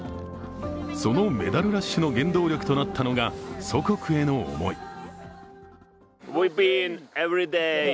そのメダルラッシュの原動力となったのが祖国への思い。